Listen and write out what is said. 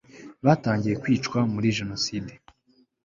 batangiye kwicwa muri jenoside